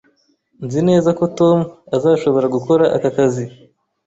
Nzi neza ko Tom azashobora gukora aka kazi